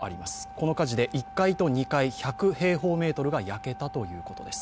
この火事で１階と２階、１００平方メートルが焼けたということです。